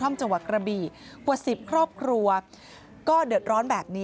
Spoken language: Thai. โอ้โฮ